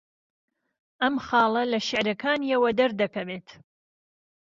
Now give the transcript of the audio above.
ئەم خاڵە لە شێعرەکانییەوە دەردەکەوێت